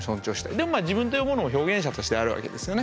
でもまあ自分というものも表現者としてあるわけですよね。